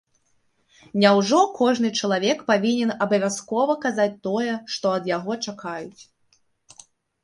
Няўжо кожны чалавек павінен абавязкова казаць тое, што ад яго чакаюць?!